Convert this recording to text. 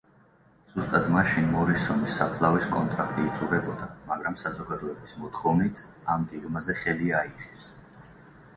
ზუსტად მაშინ მორისონის საფლავის კონტრაქტი იწურებოდა, მაგრამ საზოგადოების მოთხოვნით, ამ გეგმაზე ხელი აიღეს.